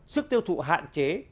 sức tiêu thụ hạn chế